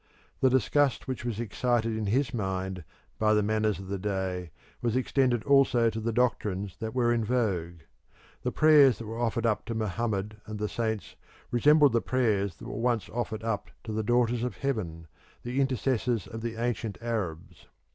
The disgust which was excited in his mind by the manners of the day was extended also to the doctrines that were in vogue. The prayers that were offered up to Mohammed and the saints resembled the prayers that were once offered up to the Daughters of Heaven, the intercessors of the ancient Arabs.